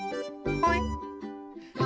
はい。